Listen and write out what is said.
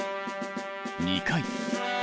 ２回。